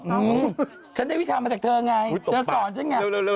อืมฉันได้วิชามาจากเธอไงเธอสอนฉันไง